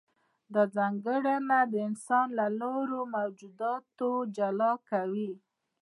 دا ځانګړنه انسان له نورو موجوداتو جلا کوي.